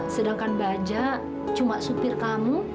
sedangkan baja cuma supir kamu